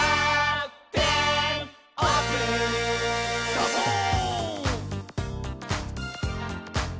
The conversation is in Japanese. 「サボーン！」